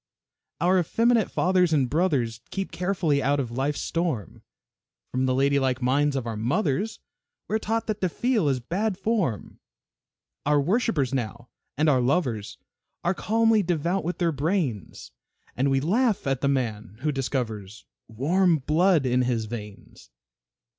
Our effeminate fathers and brothers Keep carefully out of life's storm, From the ladylike minds of our mothers We are taught that to feel is "bad form." Our worshipers now and our lovers Are calmly devout with their brains, And we laugh at the man who discovers Warm blood in his veins.